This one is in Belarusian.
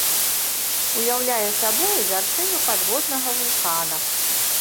Уяўляе сабою вяршыню падводнага вулкана.